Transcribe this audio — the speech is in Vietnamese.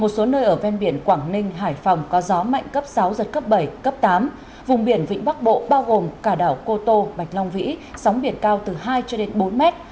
sống biển cao từ hai cho đến bốn mét